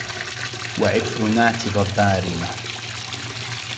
وعفرناة ضبارمة